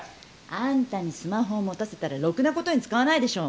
あんたにスマホを持たせたらろくなことに使わないでしょ！